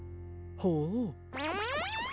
ほう！